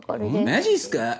「マジっすか！